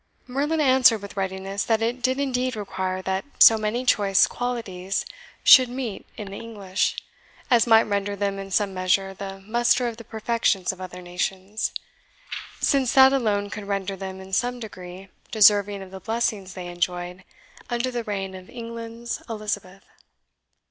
Merlin answered with readiness that it did indeed require that so many choice qualities should meet in the English, as might render them in some measure the muster of the perfections of other nations, since that alone could render them in some degree deserving of the blessings they enjoyed under the reign of England's Elizabeth.